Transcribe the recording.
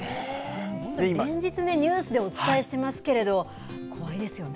連日、ニュースでお伝えしていますけれど、怖いですよね。